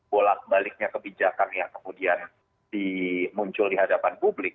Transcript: bolak baliknya kebijakan yang kemudian muncul di hadapan publik